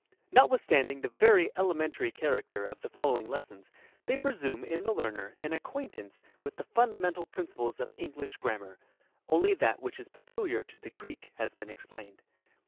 | Notwithstanding the very elementary character of the follow ing lessons, they presume in the learner an acquaintance with iv PREFACE, the fundamental principles of English grammar; only that which is peculiar to the Greek has been explained.